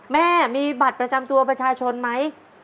แม่มีบัตรประจำตัวประชาชนไหม